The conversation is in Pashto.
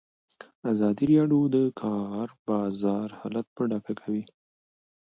ازادي راډیو د د کار بازار حالت په ډاګه کړی.